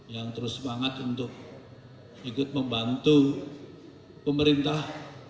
yang terus semangat untuk ikut membantu pemerintah